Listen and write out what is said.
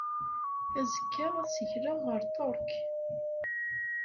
Azekka, ad ssikleɣ ɣer Ṭṭerk.